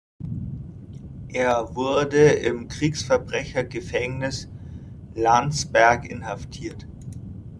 Er wurde im Kriegsverbrechergefängnis Landsberg inhaftiert.